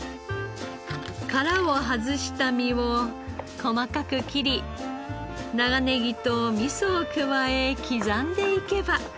殻を外した身を細かく切り長ネギと味噌を加え刻んでいけば。